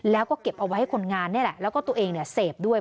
แล้วก็เก็บเอาไว้ให้คนงานนี่แหละแล้วก็ตัวเองเนี่ยเสพด้วย